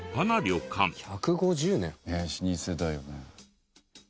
ねっ老舗だよね。